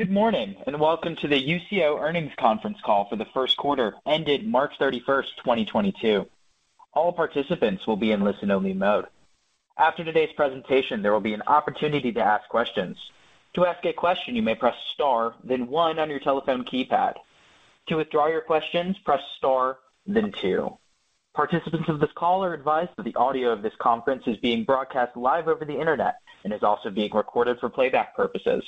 Good morning, and welcome to the Usio Earnings Conference Call for the first quarter ended March 31st, 2022. All participants will be in listen-only mode. After today's presentation, there will be an opportunity to ask questions. To ask a question, you may press star, then 1 on your telephone keypad. To withdraw your questions, press star then 2. Participants of this call are advised that the audio of this conference is being broadcast live over the Internet and is also being recorded for playback purposes.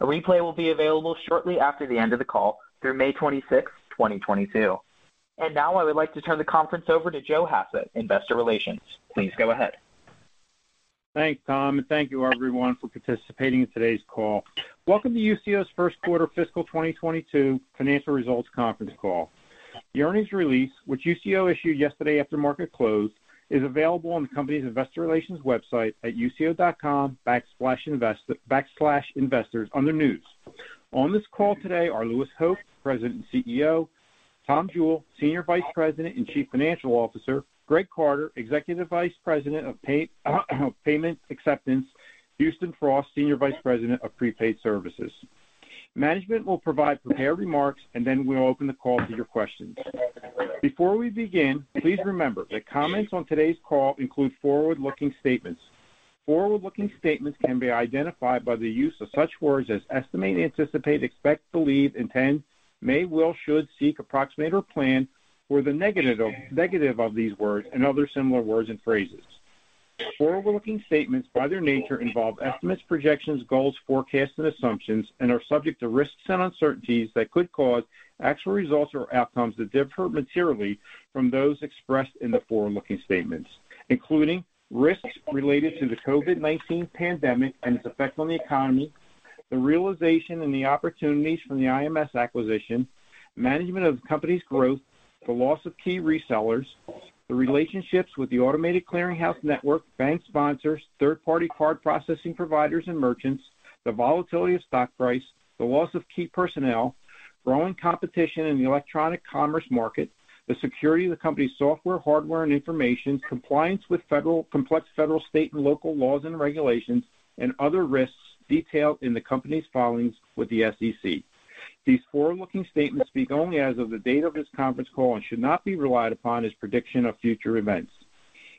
A replay will be available shortly after the end of the call through May 26th, 2022. Now I would like to turn the conference over to Joe Hassett, Investor Relations. Please go ahead. Thanks, Tom, and thank you everyone for participating in today's call. Welcome to Usio's first quarter fiscal 2022 financial results conference call. The earnings release, which Usio issued yesterday after market close, is available on the company's investor relations website at usio.com/investors under News. On this call today are Louis Hoch, President and CEO, Tom Jewell, Senior Vice President and Chief Financial Officer, Greg Carter, Executive Vice President of Payment Acceptance, Houston Frost, Senior Vice President of Prepaid Services. Management will provide prepared remarks, and then we'll open the call to your questions. Before we begin, please remember that comments on today's call include forward-looking statements. Forward-looking statements can be identified by the use of such words as estimate, anticipate, expect, believe, intend, may, will, should, seek, approximate or plan, or the negative of these words and other similar words and phrases. Forward-looking statements by their nature involve estimates, projections, goals, forecasts, and assumptions and are subject to risks and uncertainties that could cause actual results or outcomes to differ materially from those expressed in the forward-looking statements, including risks related to the COVID-19 pandemic and its effect on the economy, the realization and the opportunities from the IMS acquisition, management of the company's growth, the loss of key resellers, the relationships with the automated clearing house network, bank sponsors, third-party card processing providers and merchants, the volatility of stock price, the loss of key personnel, growing competition in the electronic commerce market, the security of the company's software, hardware, and information, compliance with complex federal, state, and local laws and regulations, and other risks detailed in the company's filings with the SEC. These forward-looking statements speak only as of the date of this conference call and should not be relied upon as prediction of future events.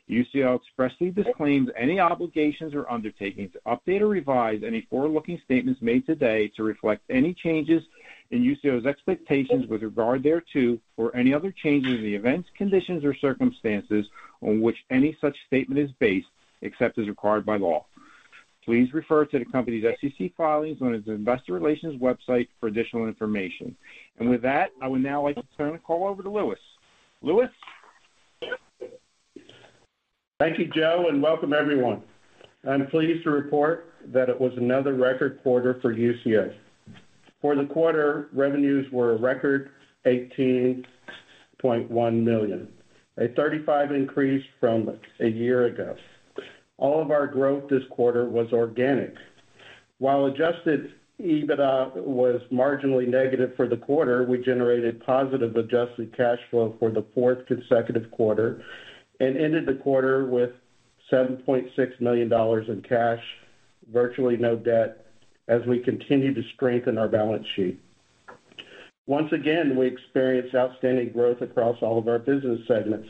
Usio expressly disclaims any obligations or undertakings to update or revise any forward-looking statements made today to reflect any changes in Usio's expectations with regard thereto or any other changes in the events, conditions, or circumstances on which any such statement is based, except as required by law. Please refer to the company's SEC filings on its investor relations website for additional information. With that, I would now like to turn the call over to Louis. Louis. Thank you, Joe, and welcome everyone. I'm pleased to report that it was another record quarter for Usio. For the quarter, revenues were a record $18.1 million, a 35% increase from a year ago. All of our growth this quarter was organic. While Adjusted EBITDA was marginally negative for the quarter, we generated positive adjusted cash flow for the fourth consecutive quarter and ended the quarter with $7.6 million in cash, virtually no debt as we continue to strengthen our balance sheet. Once again, we experienced outstanding growth across all of our business segments,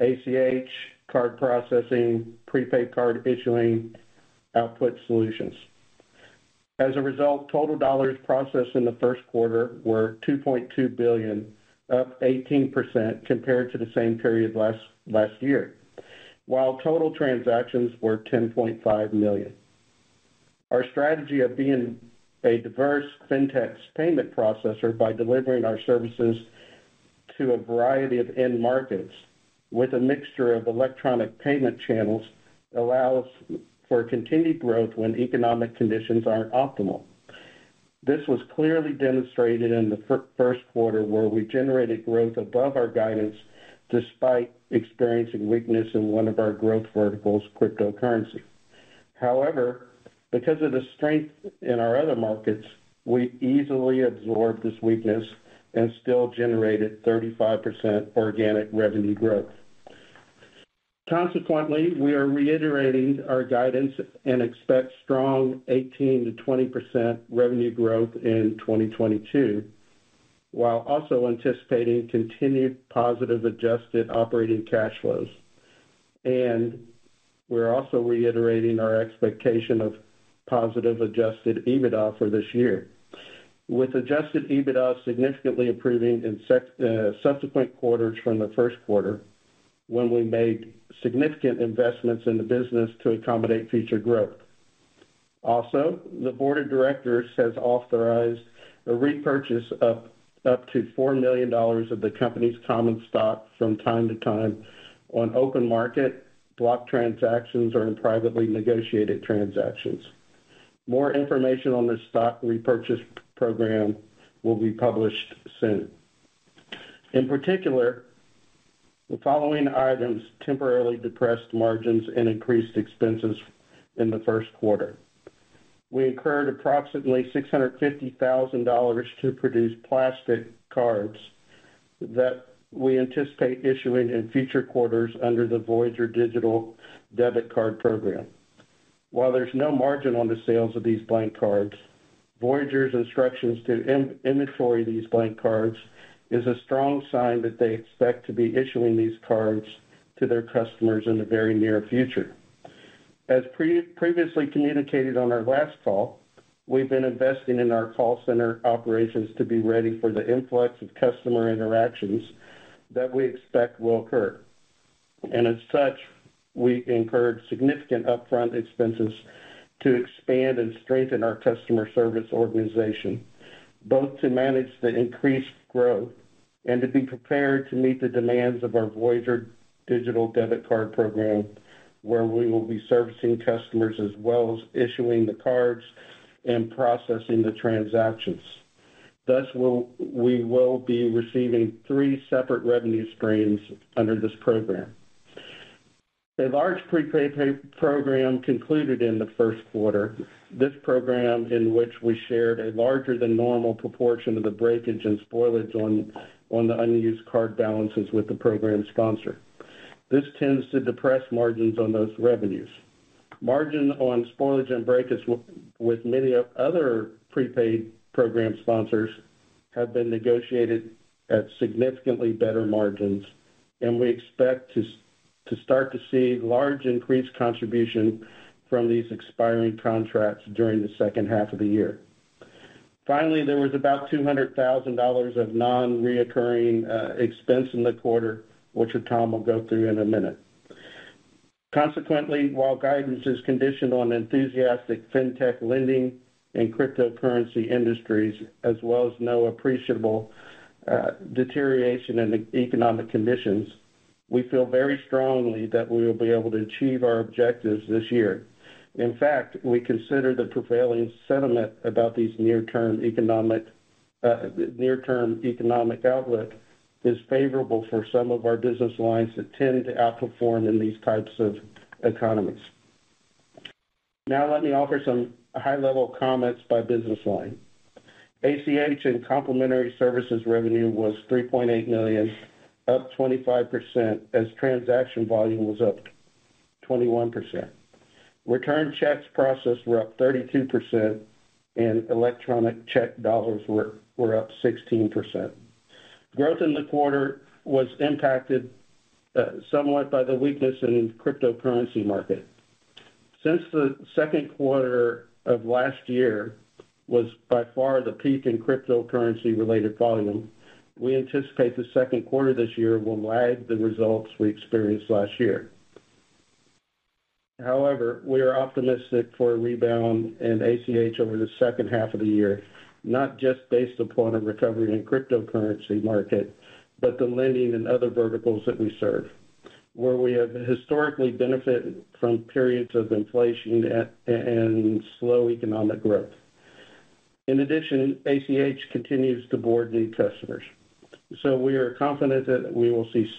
ACH, card processing, prepaid card issuing, output solutions. As a result, total dollars processed in the first quarter were $2.2 billion, up 18% compared to the same period last year, while total transactions were 10.5 million. Our strategy of being a diverse fintech payment processor by delivering our services to a variety of end markets with a mixture of electronic payment channels allows for continued growth when economic conditions aren't optimal. This was clearly demonstrated in the first quarter, where we generated growth above our guidance despite experiencing weakness in one of our growth verticals, cryptocurrency. However, because of the strength in our other markets, we easily absorbed this weakness and still generated 35% organic revenue growth. Consequently, we are reiterating our guidance and expect strong 18%-20% revenue growth in 2022, while also anticipating continued positive adjusted operating cash flows. We're also reiterating our expectation of positive Adjusted EBITDA for this year, with Adjusted EBITDA significantly improving in subsequent quarters from the first quarter when we made significant investments in the business to accommodate future growth. Also, the board of directors has authorized a repurchase of up to $4 million of the company's common stock from time to time on open market, block transactions, or in privately negotiated transactions. More information on this stock repurchase program will be published soon. In particular, the following items temporarily depressed margins and increased expenses in the first quarter. We incurred approximately $650,000 to produce plastic cards that we anticipate issuing in future quarters under the Voyager Digital Debit Card program. While there's no margin on the sales of these blank cards, Voyager's instructions to in inventory these blank cards is a strong sign that they expect to be issuing these cards to their customers in the very near future. As previously communicated on our last call, we've been investing in our call center operations to be ready for the influx of customer interactions that we expect will occur. As such, we incurred significant upfront expenses to expand and strengthen our customer service organization, both to manage the increased growth and to be prepared to meet the demands of our Voyager Digital Debit Card program, where we will be servicing customers as well as issuing the cards and processing the transactions. We will be receiving three separate revenue streams under this program. A large prepaid pay program concluded in the first quarter. This program in which we shared a larger than normal proportion of the breakage and spoilage on the unused card balances with the program sponsor. This tends to depress margins on those revenues. Margin on spoilage and breakage with many other prepaid program sponsors have been negotiated at significantly better margins, and we expect to start to see large increased contribution from these expiring contracts during the second half of the year. Finally, there was about $200,000 of non-recurring expense in the quarter, which Tom will go through in a minute. Consequently, while guidance is conditioned on enthusiastic fintech lending and cryptocurrency industries as well as no appreciable deterioration in economic conditions, we feel very strongly that we will be able to achieve our objectives this year. In fact, we consider the prevailing sentiment about these near-term economic outlook is favorable for some of our business lines that tend to outperform in these types of economies. Now let me offer some high-level comments by business line. ACH and complementary services revenue was $3.8 million, up 25% as transaction volume was up 21%. Returned checks processed were up 32%, and electronic check dollars were up 16%. Growth in the quarter was impacted somewhat by the weakness in cryptocurrency market. Since the second quarter of last year was by far the peak in cryptocurrency-related volume, we anticipate the second quarter this year will lag the results we experienced last year. However, we are optimistic for a rebound in ACH over the second half of the year, not just based upon a recovery in cryptocurrency market, but the lending and other verticals that we serve, where we have historically benefited from periods of inflation and slow economic growth. In addition, ACH continues to board new customers, so we are confident that we will see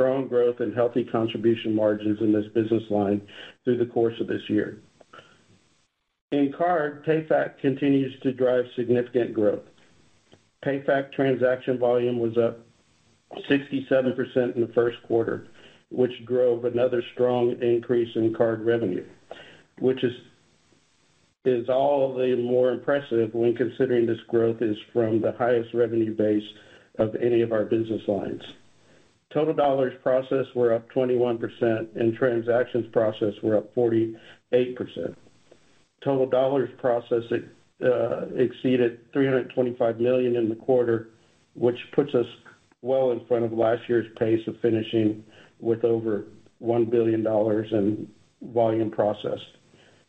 strong growth and healthy contribution margins in this business line through the course of this year. In card, PayFac continues to drive significant growth. PayFac transaction volume was up 67% in the first quarter, which drove another strong increase in card revenue, which is all the more impressive when considering this growth is from the highest revenue base of any of our business lines. Total dollars processed were up 21%, and transactions processed were up 48%. Total dollars processed exceeded $325 million in the quarter, which puts us well in front of last year's pace of finishing with over $1 billion in volume processed.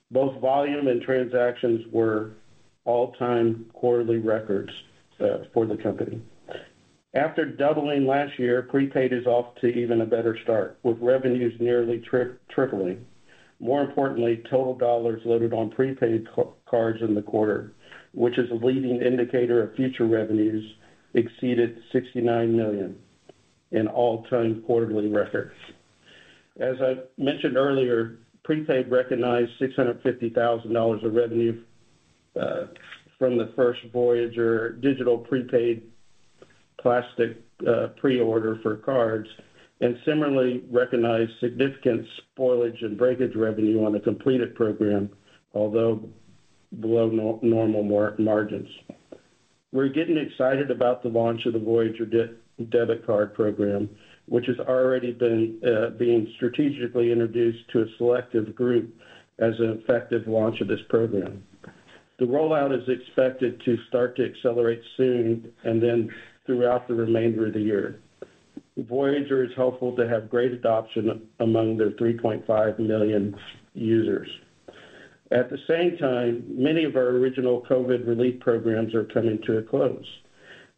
Both volume and transactions were all-time quarterly records for the company. After doubling last year, prepaid is off to even a better start, with revenues nearly tripling. More importantly, total dollars loaded on prepaid cards in the quarter, which is a leading indicator of future revenues, exceeded $69 million in all-time quarterly records. As I mentioned earlier, prepaid recognized $650,000 of revenue from the first Voyager Digital prepaid plastic pre-order for cards, and similarly recognized significant spoilage and breakage revenue on the completed program, although below normal margins. We're getting excited about the launch of the Voyager Debit Card program, which has already been being strategically introduced to a selective group as an effective launch of this program. The rollout is expected to start to accelerate soon and then throughout the remainder of the year. Voyager is hopeful to have great adoption among their 3.5 million users. At the same time, many of our original COVID relief programs are coming to a close.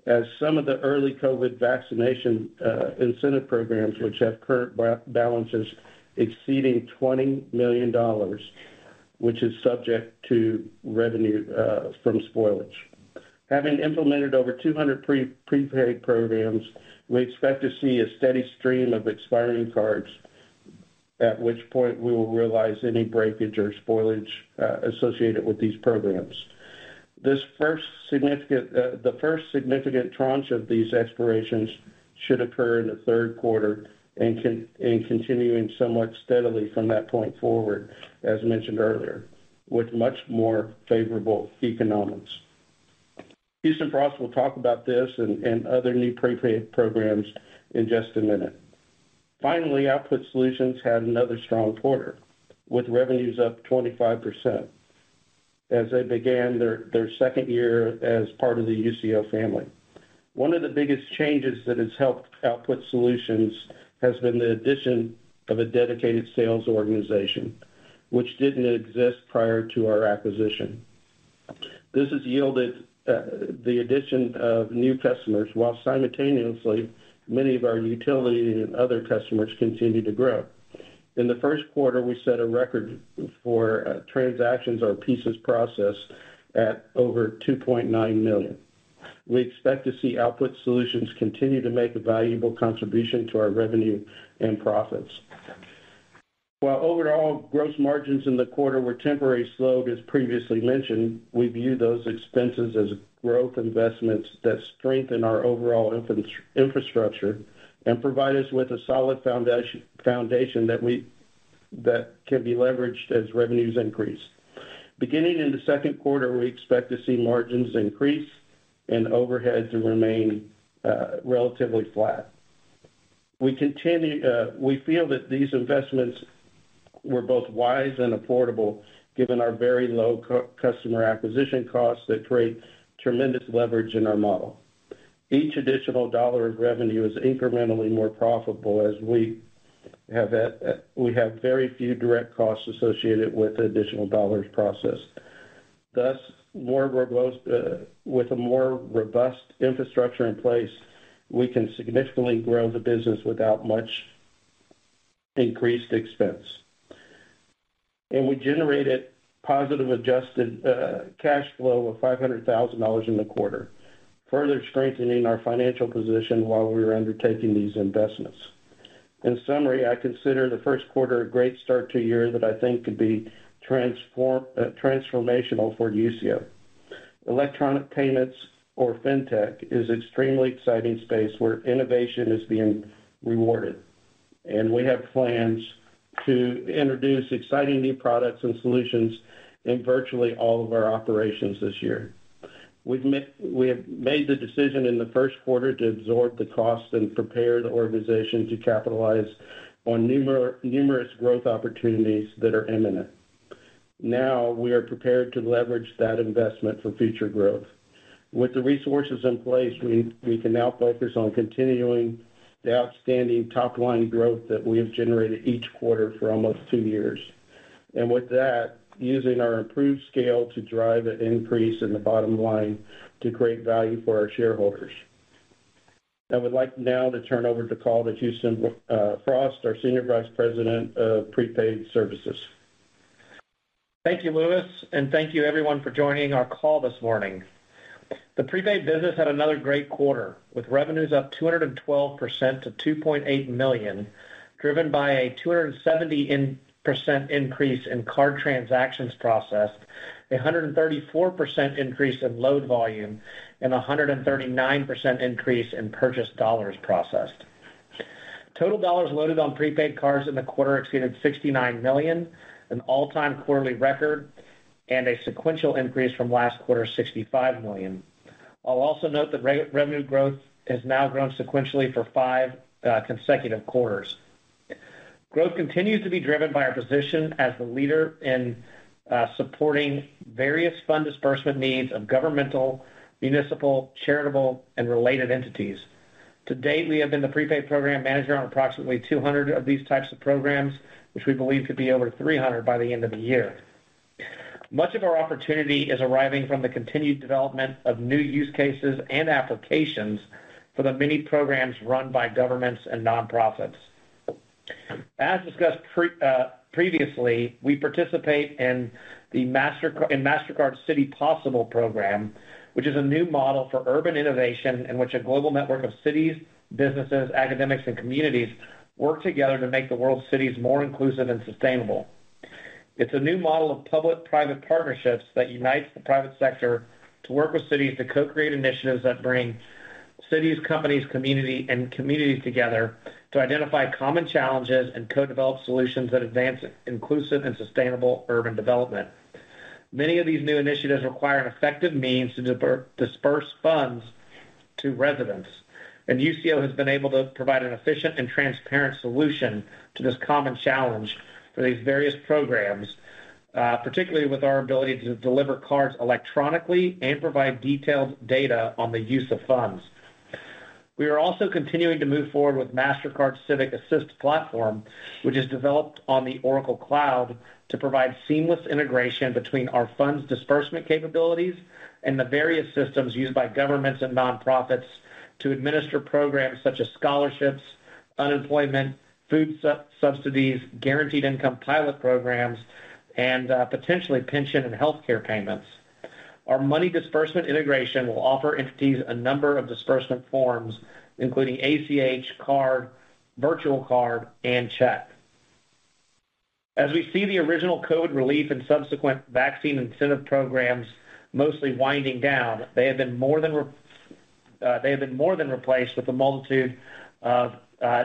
As some of the early COVID vaccination incentive programs which have current balances exceeding $20 million, which is subject to revenue from spoilage. Having implemented over 200 prepaid programs, we expect to see a steady stream of expiring cards. At which point we will realize any breakage or spoilage associated with these programs. This first significant tranche of these expirations should occur in the third quarter and continuing somewhat steadily from that point forward, as mentioned earlier, with much more favorable economics. Houston Frost will talk about this and other new prepaid programs in just a minute. Finally, Output Solutions had another strong quarter, with revenues up 25% as they began their second year as part of the Usio family. One of the biggest changes that has helped Output Solutions has been the addition of a dedicated sales organization, which didn't exist prior to our acquisition. This has yielded the addition of new customers, while simultaneously many of our utility and other customers continued to grow. In the first quarter, we set a record for transactions or pieces processed at over 2.9 million. We expect to see Output Solutions continue to make a valuable contribution to our revenue and profits. While overall gross margins in the quarter were temporarily slowed, as previously mentioned, we view those expenses as growth investments that strengthen our overall infrastructure and provide us with a solid foundation that can be leveraged as revenues increase. Beginning in the second quarter, we expect to see margins increase and overhead to remain relatively flat. We feel that these investments were both wise and affordable, given our very low customer acquisition costs that create tremendous leverage in our model. Each additional dollar of revenue is incrementally more profitable as we have very few direct costs associated with additional dollars processed. With a more robust infrastructure in place, we can significantly grow the business without much increased expense. We generated positive adjusted cash flow of $500,000 in the quarter, further strengthening our financial position while we were undertaking these investments. In summary, I consider the first quarter a great start to a year that I think could be transformational for Usio. Electronic payments, or fintech, is extremely exciting space where innovation is being rewarded, and we have plans to introduce exciting new products and solutions in virtually all of our operations this year. We have made the decision in the first quarter to absorb the cost and prepare the organization to capitalize on numerous growth opportunities that are imminent. Now we are prepared to leverage that investment for future growth. With the resources in place, we can now focus on continuing the outstanding top-line growth that we have generated each quarter for almost two years. With that, using our improved scale to drive an increase in the bottom line to create value for our shareholders. I would like now to turn over the call to Houston Frost, our Senior Vice President of Prepaid Services. Thank you, Louis, and thank you everyone for joining our call this morning. The prepaid business had another great quarter, with revenues up 212% to $2.8 million, driven by a 270% increase in card transactions processed, a 134% increase in load volume, and a 139% increase in purchase dollars processed. Total dollars loaded on prepaid cards in the quarter exceeded $69 million, an all-time quarterly record and a sequential increase from last quarter's $65 million. I'll also note that revenue growth has now grown sequentially for five consecutive quarters. Growth continues to be driven by our position as the leader in supporting various fund disbursement needs of governmental, municipal, charitable, and related entities. To date, we have been the prepaid program manager on approximately 200 of these types of programs, which we believe could be over 300 by the end of the year. Much of our opportunity is arriving from the continued development of new use cases and applications for the many programs run by governments and nonprofits. As discussed previously, we participate in the Mastercard City Possible program, which is a new model for urban innovation in which a global network of cities, businesses, academics, and communities work together to make the world's cities more inclusive and sustainable. It's a new model of public-private partnerships that unites the private sector to work with cities to co-create initiatives that bring cities, companies, and communities together to identify common challenges and co-develop solutions that advance inclusive and sustainable urban development. Many of these new initiatives require an effective means to disburse funds to residents, and Usio has been able to provide an efficient and transparent solution to this common challenge for these various programs, particularly with our ability to deliver cards electronically and provide detailed data on the use of funds. We are also continuing to move forward with Mastercard Civic Assist platform, which is developed on the Oracle Cloud to provide seamless integration between our funds disbursement capabilities and the various systems used by governments and nonprofits to administer programs such as scholarships, unemployment, food subsidies, guaranteed income pilot programs, and potentially pension and healthcare payments. Our money disbursement integration will offer entities a number of disbursement forms, including ACH card, virtual card, and check. As we see the original COVID-19 relief and subsequent vaccine incentive programs mostly winding down, they have been more than replaced with a multitude of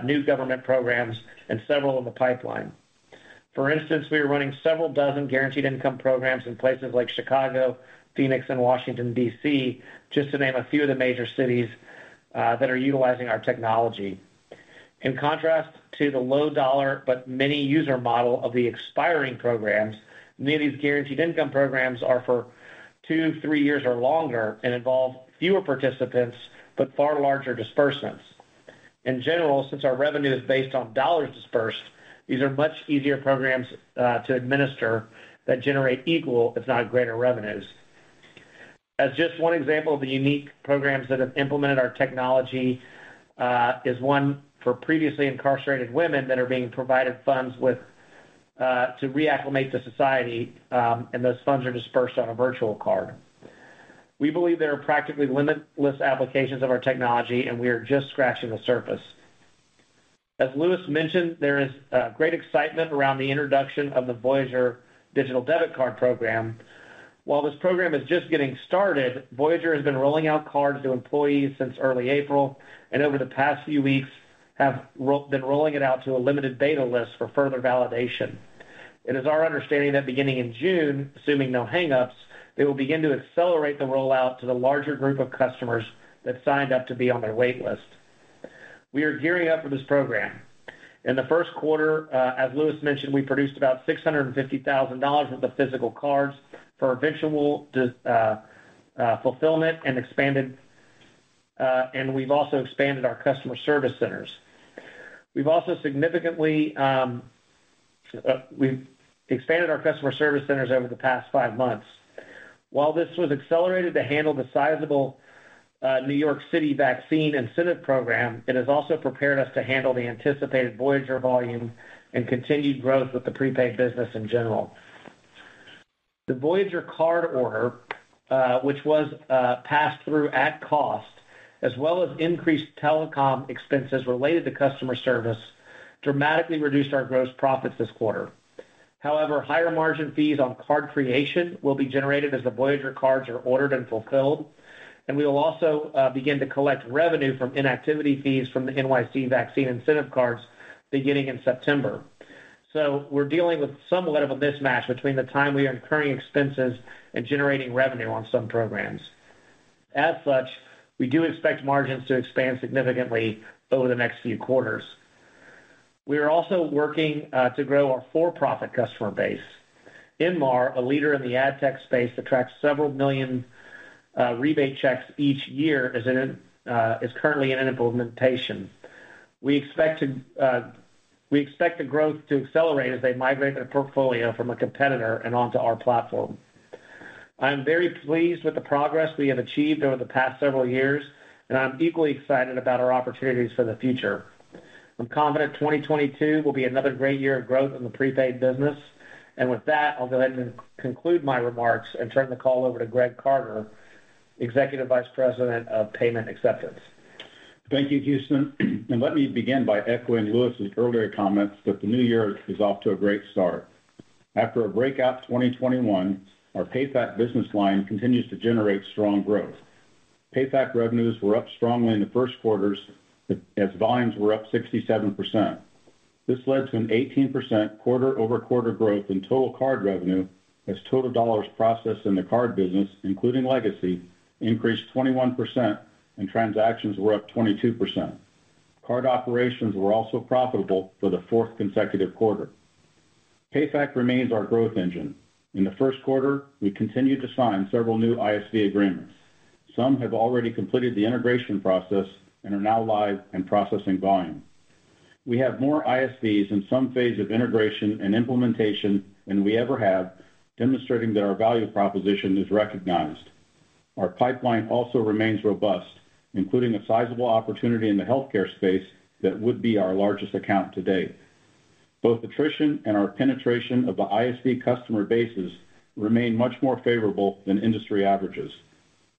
new government programs and several in the pipeline. For instance, we are running several dozen guaranteed income programs in places like Chicago, Phoenix, and Washington, D.C., just to name a few of the major cities that are utilizing our technology. In contrast to the low dollar but many user model of the expiring programs, many of these guaranteed income programs are for 2, 3 years or longer and involve fewer participants but far larger disbursements. In general, since our revenue is based on dollars disbursed, these are much easier programs to administer that generate equal, if not greater, revenues. As just one example of the unique programs that have implemented our technology, is one for previously incarcerated women that are being provided funds to reacclimate to society, and those funds are disbursed on a virtual card. We believe there are practically limitless applications of our technology, and we are just scratching the surface. As Louis mentioned, there is great excitement around the introduction of the Voyager Digital Debit Card program. While this program is just getting started, Voyager has been rolling out cards to employees since early April and over the past few weeks have been rolling it out to a limited beta list for further validation. It is our understanding that beginning in June, assuming no hang-ups, they will begin to accelerate the rollout to the larger group of customers that signed up to be on their wait list. We are gearing up for this program. In the first quarter, as Louis mentioned, we produced about $650,000 of the physical cards for eventual fulfillment and we've also expanded our customer service centers. We've also significantly expanded our customer service centers over the past five months. While this was accelerated to handle the sizable New York City vaccine incentive program, it has also prepared us to handle the anticipated Voyager volume and continued growth with the prepaid business in general. The Voyager card order, which was passed through at cost as well as increased telecom expenses related to customer service dramatically reduced our gross profits this quarter. However, higher margin fees on card creation will be generated as the Voyager cards are ordered and fulfilled, and we will also begin to collect revenue from inactivity fees from the NYC vaccine incentive cards beginning in September. We're dealing with somewhat of a mismatch between the time we are incurring expenses and generating revenue on some programs. As such, we do expect margins to expand significantly over the next few quarters. We are also working to grow our for-profit customer base. Inmar, a leader in the AdTech space, attracts several million rebate checks each year as it is currently in an implementation. We expect the growth to accelerate as they migrate their portfolio from a competitor and onto our platform. I am very pleased with the progress we have achieved over the past several years, and I'm equally excited about our opportunities for the future. I'm confident 2022 will be another great year of growth in the prepaid business. With that, I'll go ahead and conclude my remarks and turn the call over to Greg Carter, Executive Vice President of Payment Acceptance. Thank you, Houston. Let me begin by echoing Louis's earlier comments that the new year is off to a great start. After a breakout 2021, our PayFac business line continues to generate strong growth. PayFac revenues were up strongly in the first quarters as volumes were up 67%. This led to an 18% quarter-over-quarter growth in total card revenue as total dollars processed in the card business, including legacy, increased 21% and transactions were up 22%. Card operations were also profitable for the fourth consecutive quarter. PayFac remains our growth engine. In the first quarter, we continued to sign several new ISV agreements. Some have already completed the integration process and are now live and processing volume. We have more ISVs in some phase of integration and implementation than we ever have, demonstrating that our value proposition is recognized. Our pipeline also remains robust, including a sizable opportunity in the healthcare space that would be our largest account to date. Both attrition and our penetration of the ISV customer bases remain much more favorable than industry averages.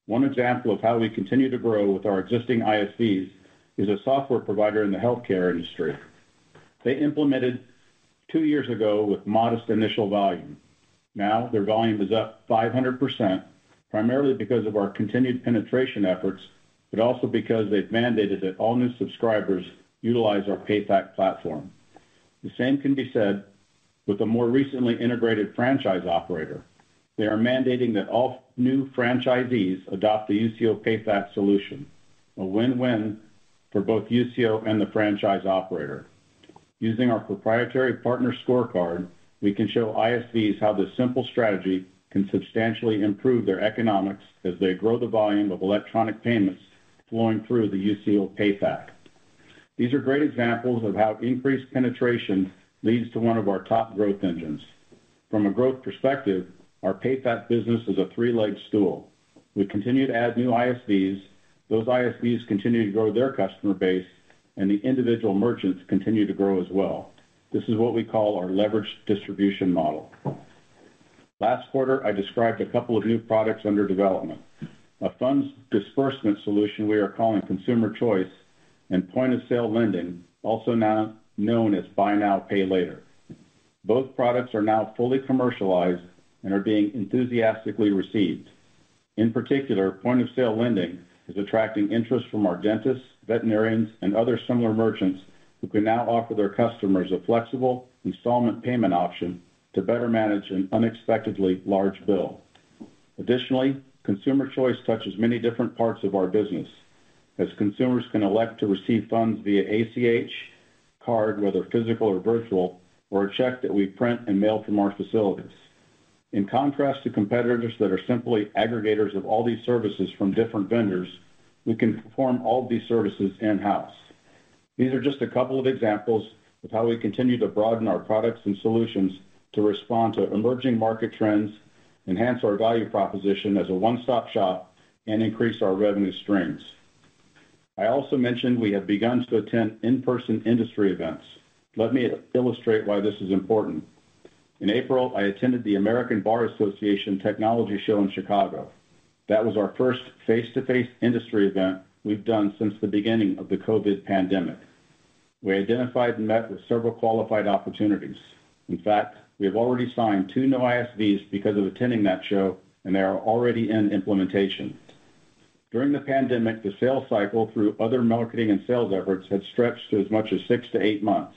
One example of how we continue to grow with our existing ISVs is a software provider in the healthcare industry. They implemented two years ago with modest initial volume. Now their volume is up 500%, primarily because of our continued penetration efforts, but also because they've mandated that all new subscribers utilize our PayFac platform. The same can be said with a more recently integrated franchise operator. They are mandating that all new franchisees adopt the Usio PayFac solution, a win-win for both Usio and the franchise operator. Using our proprietary partner scorecard, we can show ISVs how this simple strategy can substantially improve their economics as they grow the volume of electronic payments flowing through the Usio PayFac. These are great examples of how increased penetration leads to one of our top growth engines. From a growth perspective, our PayFac business is a three-legged stool. We continue to add new ISVs. Those ISVs continue to grow their customer base, and the individual merchants continue to grow as well. This is what we call our leveraged distribution model. Last quarter, I described a couple of new products under development. A funds disbursement solution we are calling Consumer Choice and point-of-sale lending, also now known as buy now, pay later. Both products are now fully commercialized and are being enthusiastically received. In particular, point-of-sale lending is attracting interest from our dentists, veterinarians, and other similar merchants who can now offer their customers a flexible installment payment option to better manage an unexpectedly large bill. Additionally, Consumer Choice touches many different parts of our business as consumers can elect to receive funds via ACH, card, whether physical or virtual, or a check that we print and mail from our facilities. In contrast to competitors that are simply aggregators of all these services from different vendors, we can perform all of these services in-house. These are just a couple of examples of how we continue to broaden our products and solutions to respond to emerging market trends, enhance our value proposition as a one-stop shop, and increase our revenue streams. I also mentioned we have begun to attend in-person industry events. Let me illustrate why this is important. In April, I attended the ABA TECHSHOW in Chicago. That was our first face-to-face industry event we've done since the beginning of the COVID-19 pandemic. We identified and met with several qualified opportunities. In fact, we have already signed two new ISVs because of attending that show, and they are already in implementation. During the pandemic, the sales cycle through other marketing and sales efforts had stretched to as much as 6-8 months,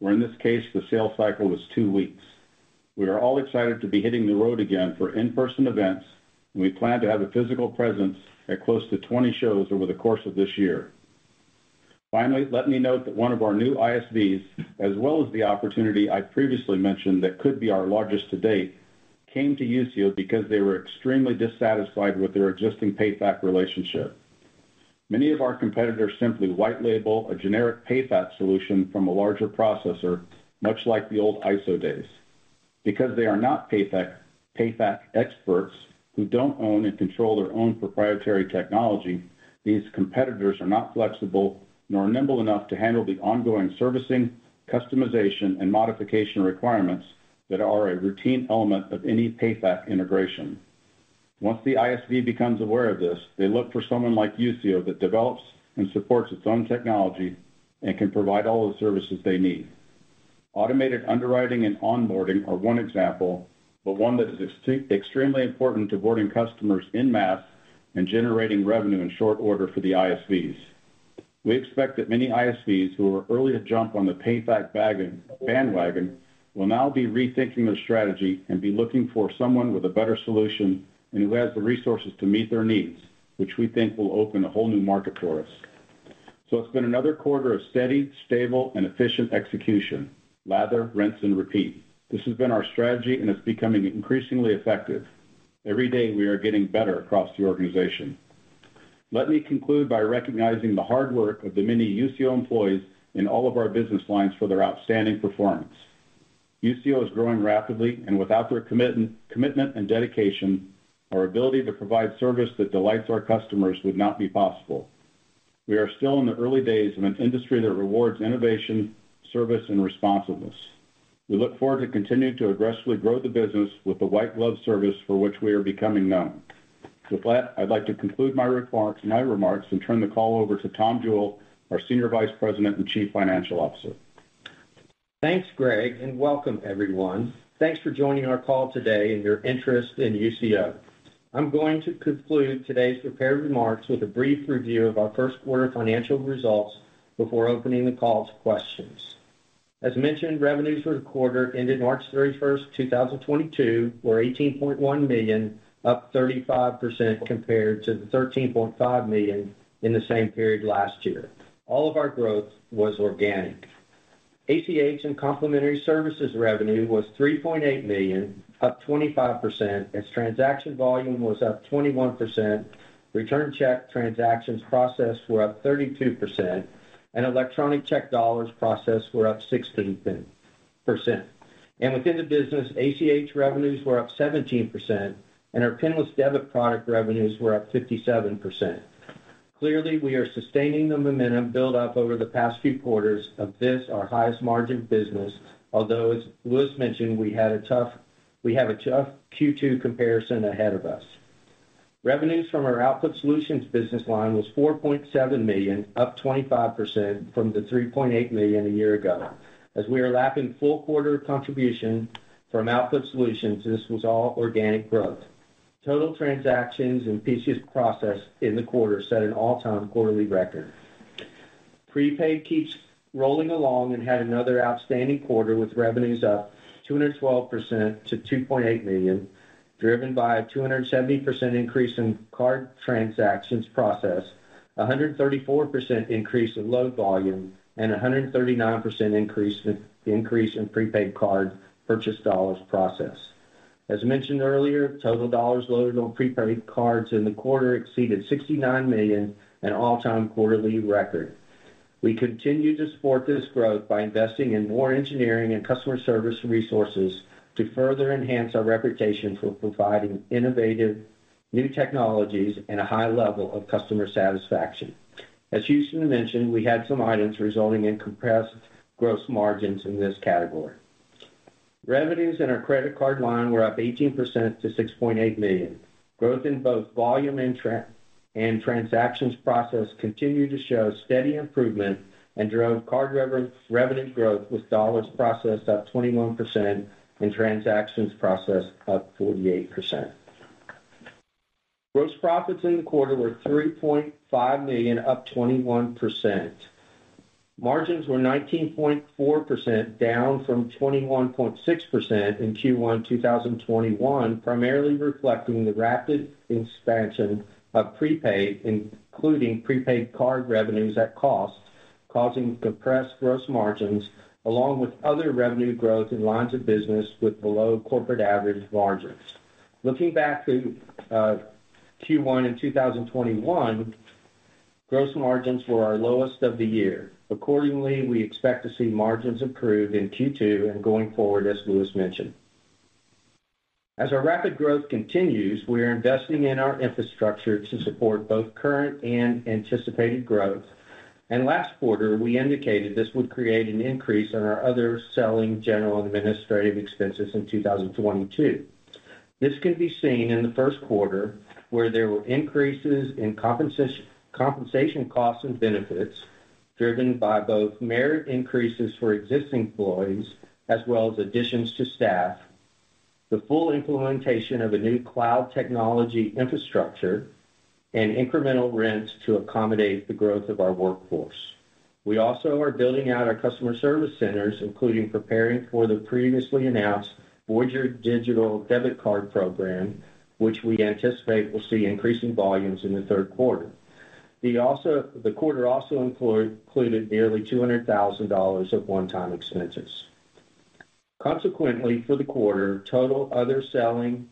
where in this case, the sales cycle was two weeks. We are all excited to be hitting the road again for in-person events, and we plan to have a physical presence at close to 20 shows over the course of this year. Finally, let me note that one of our new ISVs, as well as the opportunity I previously mentioned that could be our largest to date, came to Usio because they were extremely dissatisfied with their existing PayFac relationship. Many of our competitors simply white label a generic PayFac solution from a larger processor, much like the old ISO days. Because they are not PayFac experts who don't own and control their own proprietary technology, these competitors are not flexible nor nimble enough to handle the ongoing servicing, customization, and modification requirements that are a routine element of any PayFac integration. Once the ISV becomes aware of this, they look for someone like Usio that develops and supports its own technology and can provide all the services they need. Automated underwriting and onboarding are one example, but one that is extremely important to boarding customers en masse and generating revenue in short order for the ISVs. We expect that many ISVs who were early to jump on the PayFac bandwagon will now be rethinking their strategy and be looking for someone with a better solution and who has the resources to meet their needs, which we think will open a whole new market for us. It's been another quarter of steady, stable, and efficient execution. Lather, rinse, and repeat. This has been our strategy, and it's becoming increasingly effective. Every day, we are getting better across the organization. Let me conclude by recognizing the hard work of the many Usio employees in all of our business lines for their outstanding performance. Usio is growing rapidly, and without their commitment and dedication, our ability to provide service that delights our customers would not be possible. We are still in the early days of an industry that rewards innovation, service, and responsiveness. We look forward to continuing to aggressively grow the business with the white glove service for which we are becoming known. With that, I'd like to conclude my remarks and turn the call over to Tom Jewell, our Senior Vice President and Chief Financial Officer. Thanks, Greg, and welcome everyone. Thanks for joining our call today and your interest in Usio. I'm going to conclude today's prepared remarks with a brief review of our first quarter financial results before opening the call to questions. As mentioned, revenues for the quarter ended March 31, 2022 were $18.1 million, up 35% compared to the $13.5 million in the same period last year. All of our growth was organic. ACH and complementary services revenue was $3.8 million, up 25%, as transaction volume was up 21%, return check transactions processed were up 32%, and electronic check dollars processed were up 16%. Within the business, ACH revenues were up 17%, and our PINless Debit product revenues were up 57%. Clearly, we are sustaining the momentum built up over the past few quarters of this, our highest margin business, although as was mentioned, we have a tough Q2 comparison ahead of us. Revenues from our Output Solutions business line was $4.7 million, up 25% from the $3.8 million a year ago. As we are lapping full quarter contribution from Output Solutions, this was all organic growth. Total transactions and PCs processed in the quarter set an all-time quarterly record. Prepaid keeps rolling along and had another outstanding quarter with revenues up 212% to $2.8 million, driven by a 270% increase in card transactions processed, a 134% increase in load volume, and a 139% increase in prepaid card purchase dollars processed. As mentioned earlier, total dollars loaded on prepaid cards in the quarter exceeded $69 million, an all-time quarterly record. We continue to support this growth by investing in more engineering and customer service resources to further enhance our reputation for providing innovative new technologies and a high level of customer satisfaction. As Houston mentioned, we had some items resulting in compressed gross margins in this category. Revenues in our credit card line were up 18% to $6.8 million. Growth in both volume and transactions processed continued to show steady improvement and drove card revenue growth with dollars processed up 21% and transactions processed up 48%. Gross profits in the quarter were $3.5 million, up 21%. Margins were 19.4%, down from 21.6% in Q1 2021, primarily reflecting the rapid expansion of prepaid, including prepaid card revenues at cost, causing compressed gross margins along with other revenue growth in lines of business with below corporate average margins. Looking back to Q1 in 2021, gross margins were our lowest of the year. Accordingly, we expect to see margins improve in Q2 and going forward, as Lewis mentioned. As our rapid growth continues, we are investing in our infrastructure to support both current and anticipated growth. Last quarter, we indicated this would create an increase in our other selling general administrative expenses in 2022. This can be seen in the first quarter, where there were increases in compensation costs and benefits driven by both merit increases for existing employees as well as additions to staff, the full implementation of a new cloud technology infrastructure, and incremental rents to accommodate the growth of our workforce. We also are building out our customer service centers, including preparing for the previously announced Voyager Digital debit card program, which we anticipate will see increasing volumes in the third quarter. The quarter also included nearly $200,000 of one-time expenses. Consequently, for the quarter, total other selling,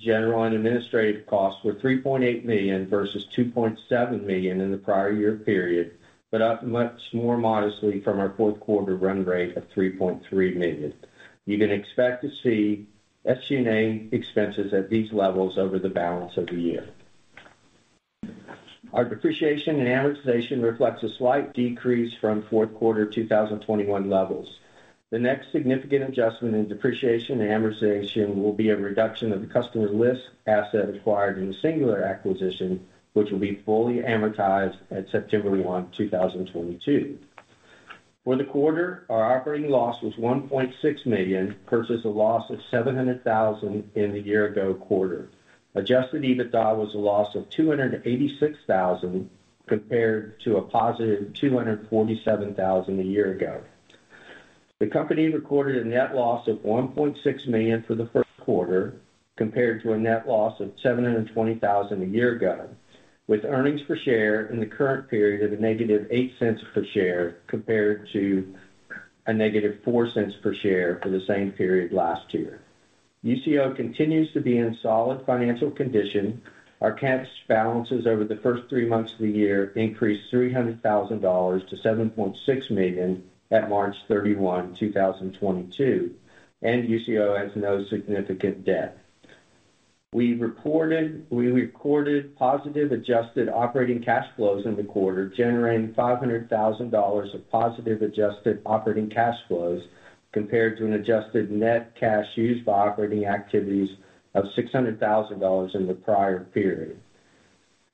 general, and administrative costs were $3.8 million versus $2.7 million in the prior year period, but up much more modestly from our fourth quarter run rate of $3.3 million. You can expect to see SG&A expenses at these levels over the balance of the year. Our depreciation and amortization reflects a slight decrease from fourth quarter 2021 levels. The next significant adjustment in depreciation and amortization will be a reduction of the customer list asset acquired in the Singular acquisition, which will be fully amortized at September 1, 2022. For the quarter, our operating loss was $1.6 million versus a loss of $700,000 in the year-ago quarter. Adjusted EBITDA was a loss of $286,000 compared to a positive $247,000 a year ago. The company recorded a net loss of $1.6 million for the first quarter compared to a net loss of $720,000 a year ago, with earnings per share in the current period of -$0.08 per share compared to -$0.04 per share for the same period last year. Usio continues to be in solid financial condition. Our cash balances over the first three months of the year increased $300,000 to $7.6 million at March 31, 2022, and Usio has no significant debt. We recorded positive adjusted operating cash flows in the quarter, generating $500,000 of positive adjusted operating cash flows compared to an adjusted net cash used for operating activities of $600,000 in the prior period.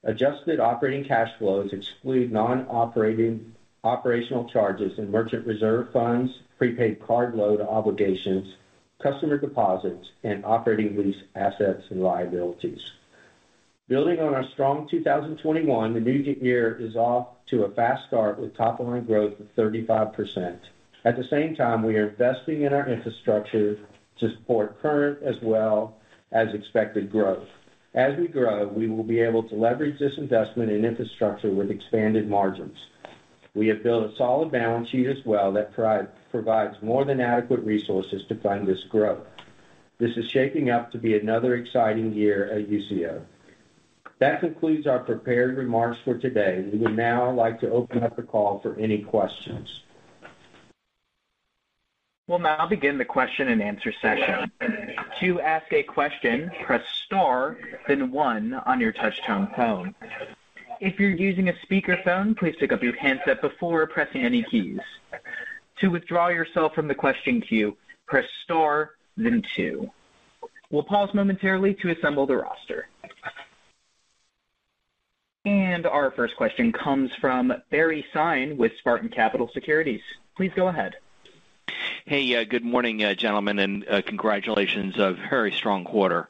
Adjusted operating cash flows exclude operational charges in merchant reserve funds, prepaid card load obligations, customer deposits, and operating lease assets and liabilities. Building on our strong 2021, the new year is off to a fast start with top line growth of 35%. At the same time, we are investing in our infrastructure to support current as well as expected growth. As we grow, we will be able to leverage this investment in infrastructure with expanded margins. We have built a solid balance sheet as well that provides more than adequate resources to fund this growth. This is shaping up to be another exciting year at Usio. That concludes our prepared remarks for today. We would now like to open up the call for any questions. We'll now begin the question and answer session. To ask a question, press star then one on your touchtone phone. If you're using a speakerphone, please pick up your handset before pressing any keys. To withdraw yourself from the question queue, press star then two. We'll pause momentarily to assemble the roster. Our first question comes from Barry Sine with Spartan Capital Securities. Please go ahead. Hey, good morning, gentlemen, and congratulations. A very strong quarter.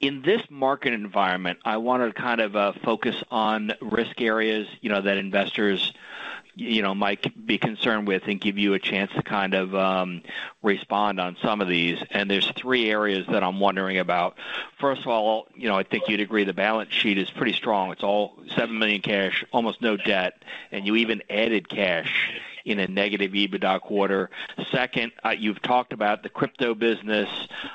In this market environment, I want to kind of focus on risk areas, you know, that investors, you know, might be concerned with and give you a chance to kind of respond on some of these. There's three areas that I'm wondering about. First of all, you know, I think you'd agree the balance sheet is pretty strong. It's $7 million cash, almost no debt, and you even added cash in a negative EBITDA quarter. Second, you've talked about the crypto business.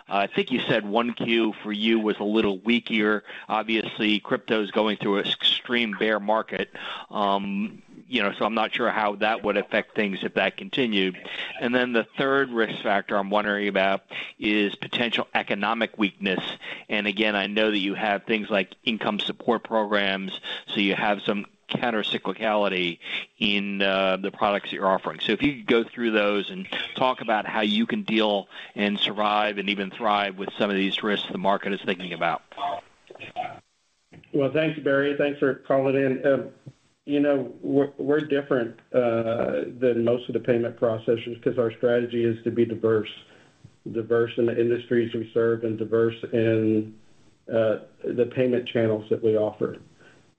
I think you said 1Q for you was a little weaker. Obviously, crypto's going through an extreme bear market, you know, so I'm not sure how that would affect things if that continued. Then the third risk factor I'm wondering about is potential economic weakness. Again, I know that you have things like income support programs, so you have some countercyclicality in, the products you're offering. If you could go through those and talk about how you can deal and survive and even thrive with some of these risks the market is thinking about. Well, thanks, Barry. Thanks for calling in. You know, we're different than most of the payment processors 'cause our strategy is to be diverse. Diverse in the industries we serve and diverse in the payment channels that we offer.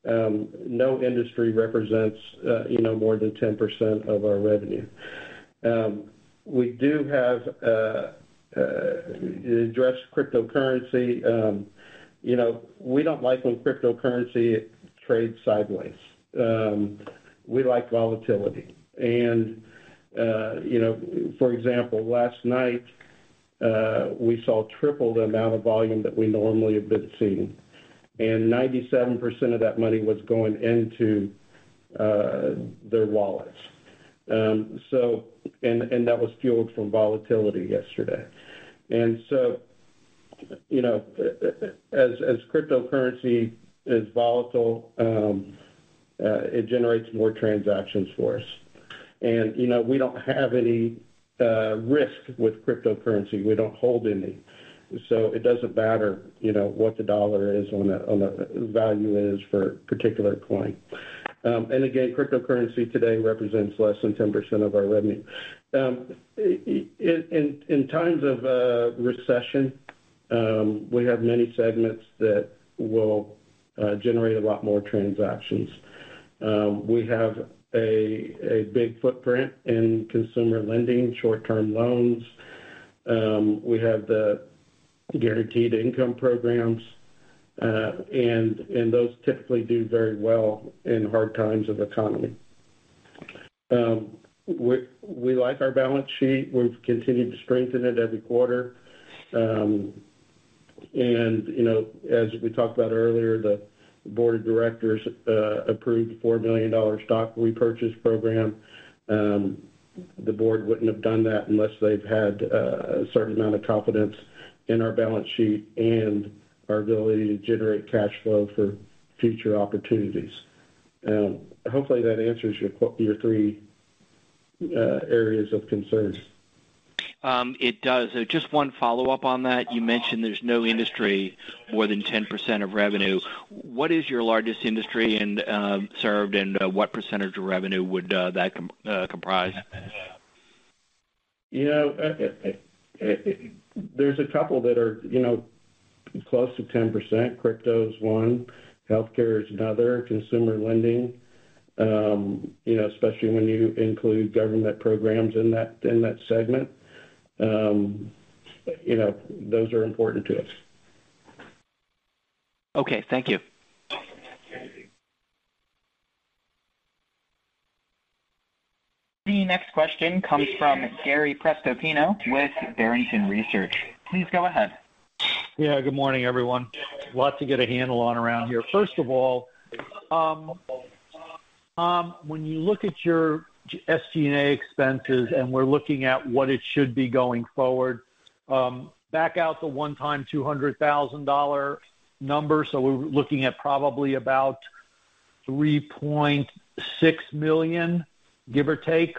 No industry represents you know, more than 10% of our revenue. To address cryptocurrency, you know, we don't like when cryptocurrency trades sideways. We like volatility. You know, for example, last night, we saw triple the amount of volume that we normally have been seeing, and 97% of that money was going into their wallets. That was fueled from volatility yesterday. You know, as cryptocurrency is volatile, it generates more transactions for us. You know, we don't have any risk with cryptocurrency. We don't hold any. So it doesn't matter, you know, what the dollar value is for a particular coin. Again, cryptocurrency today represents less than 10% of our revenue. In times of a recession, we have many segments that will generate a lot more transactions. We have a big footprint in consumer lending, short-term loans. We have the guaranteed income programs, and those typically do very well in hard economic times. We like our balance sheet. We've continued to strengthen it every quarter. You know, as we talked about earlier, the board of directors approved a $4 million stock repurchase program. The board wouldn't have done that unless they've had a certain amount of confidence in our balance sheet and our ability to generate cash flow for future opportunities. Hopefully that answers your three areas of concern. It does. Just one follow-up on that. You mentioned there's no industry more than 10% of revenue. What is your largest industry and served, and what percentage of revenue would that comprise? You know, there's a couple that are, you know, close to 10%. Crypto is one, healthcare is another, consumer lending. You know, especially when you include government programs in that segment. You know, those are important to us. Okay. Thank you. The next question comes from Gary Prestopino with Barrington Research. Please go ahead. Yeah. Good morning, everyone. Lot to get a handle on around here. First of all, when you look at your SG&A expenses, we're looking at what it should be going forward, back out the one-time $200,000 number, so we're looking at probably about $3.6 million, give or take,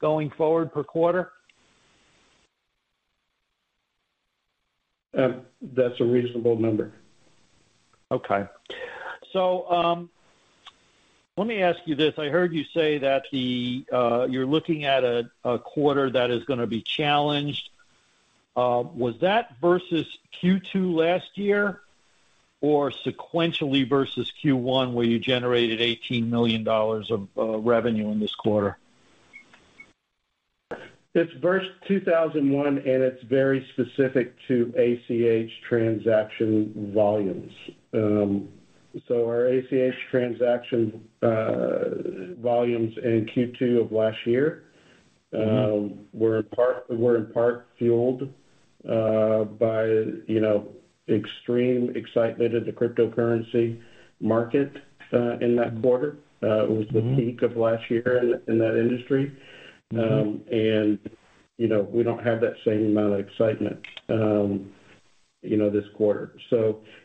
going forward per quarter? That's a reasonable number. Okay. Let me ask you this. I heard you say that you're looking at a quarter that is gonna be challenged. Was that versus Q2 last year or sequentially versus Q1, where you generated $18 million of revenue in this quarter? It's versus 2001, and it's very specific to ACH transaction volumes. Our ACH transaction volumes in Q2 of last year were in part fueled by, you know, extreme excitement of the cryptocurrency market in that quarter. It was the peak of last year in that industry. You know, we don't have that same amount of excitement, you know, this quarter.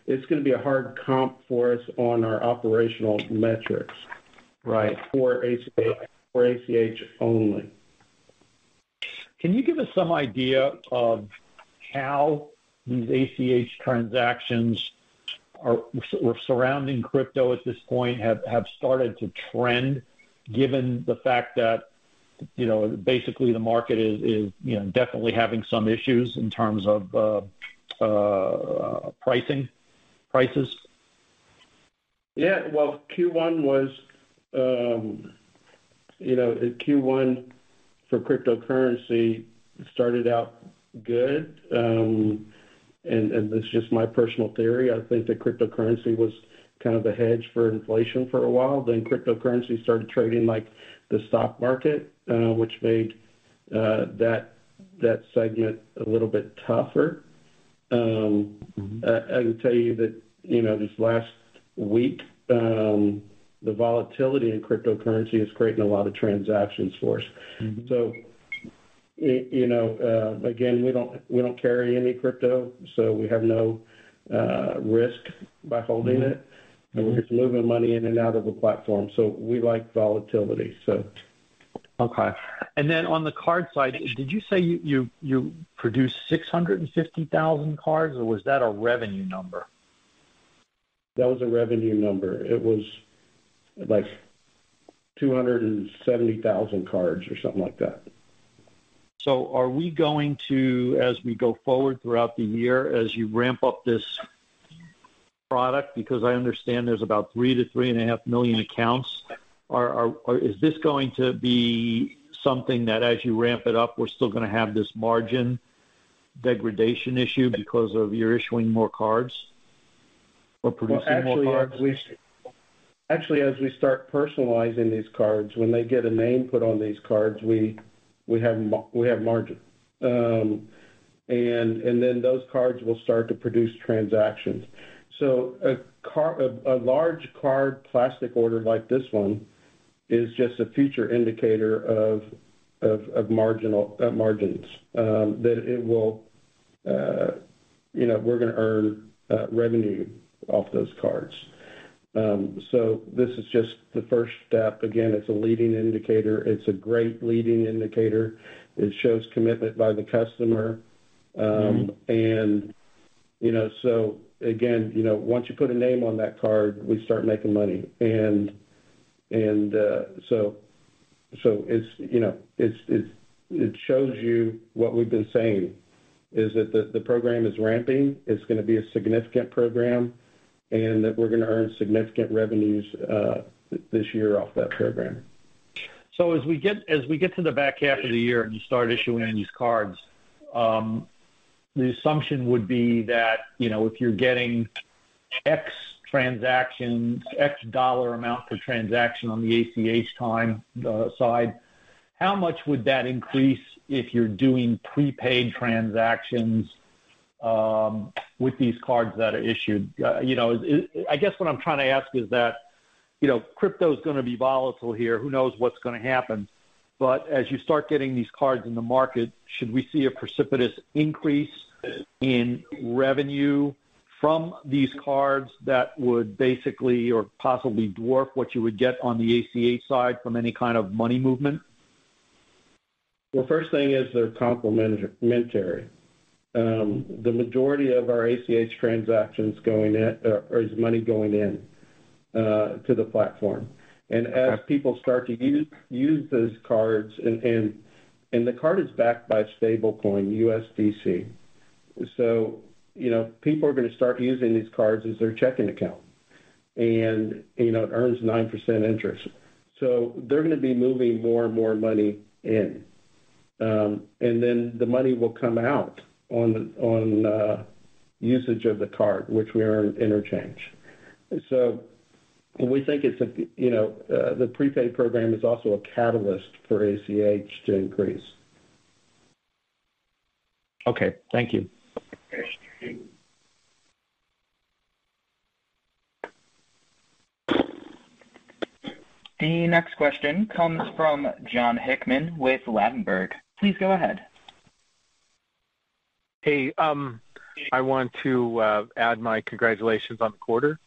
It's gonna be a hard comp for us on our operational metrics for ACH only. Can you give us some idea of how these ACH transactions are surrounding crypto at this point have started to trend given the fact that, you know, basically the market is, you know, definitely having some issues in terms of pricing, prices? Yeah. Well, Q1 was, you know, in Q1 for cryptocurrency started out good. This is just my personal theory. I think that cryptocurrency was kind of a hedge for inflation for a while, then cryptocurrency started trading like the stock market, which made that segment a little bit tougher. I can tell you that, you know, this last week, the volatility in cryptocurrency is creating a lot of transactions for us. You know, again, we don't carry any crypto, so we have no risk by holding it. We're just moving money in and out of the platform, so we like volatility, so. Okay. On the card side, did you say you produced 650,000 cards, or was that a revenue number? That was a revenue number. It was like 270,000 cards or something like that. Are we going to, as we go forward throughout the year, as you ramp up this product, because I understand there's about 3-3.5 million accounts? Is this going to be something that as you ramp it up, we're still gonna have this margin degradation issue because of you're issuing more cards or producing more cards? Actually, as we start personalizing these cards, when they get a name put on these cards, we have margin. Then those cards will start to produce transactions. A large card plastic order like this one is just a future indicator of margins. That it will, you know, we're gonna earn revenue off those cards. This is just the first step. Again, it's a leading indicator. It's a great leading indicator. It shows commitment by the customer. You know, so again, you know, once you put a name on that card, we start making money. You know, it shows you what we've been saying is that the program is ramping, it's gonna be a significant program, and that we're gonna earn significant revenues this year off that program. As we get to the back half of the year and you start issuing these cards, the assumption would be that, you know, if you're getting X transaction, X dollar amount per transaction on the ACH side, how much would that increase if you're doing prepaid transactions with these cards that are issued? I guess what I'm trying to ask is that, you know, crypto's gonna be volatile here. Who knows what's gonna happen? As you start getting these cards in the market, should we see a precipitous increase in revenue from these cards that would basically or possibly dwarf what you would get on the ACH side from any kind of money movement? Well, first thing is they're complementary. The majority of our ACH transactions going in or is money going in to the platform. Okay. As people start to use those cards and the card is backed by stablecoin USDC. You know, people are gonna start using these cards as their checking account. You know, it earns 9% interest. They're gonna be moving more and more money in. Then the money will come out on usage of the card, which we earn interchange. You know, we think it's a the prepaid program is also a catalyst for ACH to increase. Okay. Thank you. Thank you. The next question comes from Jon Hickman with Ladenburg. Please go ahead. Hey. I want to add my congratulations on the quarter.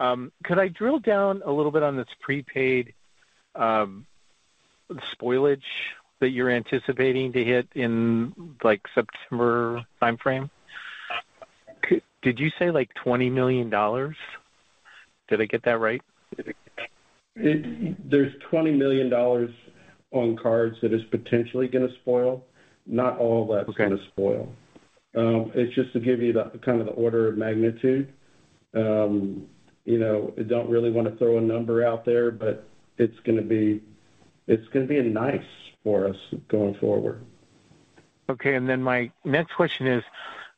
Could I drill down a little bit on this prepaid spoilage that you're anticipating to hit in like September timeframe? Did you say like $20 million? Did I get that right? There's $20 million on cards that is potentially gonna spoil. Not all of that. Okay. It's just to give you the kind of the order of magnitude. You know, I don't really wanna throw a number out there, but it's gonna be a nice for us going forward. Okay. My next question is,